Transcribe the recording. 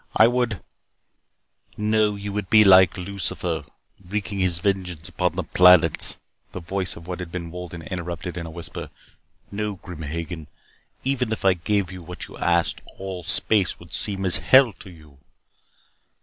I would " "No, you would be like Lucifer, wreaking his vengeance upon the planets," the voice of what had been Wolden interrupted in a whisper. "No, Grim Hagen, even if I gave you what you asked, all space would seem as hell to you."